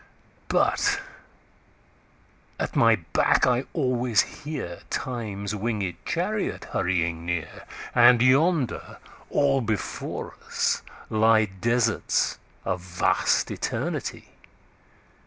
But at my back I alwaies hearTimes winged Charriot hurrying near:And yonder all before us lyeDesarts of vast Eternity.